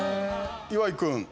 岩井君。